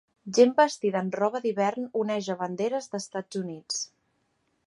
Gent vestida amb roba d'hivern oneja banderes d'Estats Units.